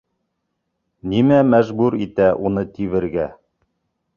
Нимә мәжбүр итә уны тибергә?